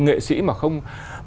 nghệ sĩ mà không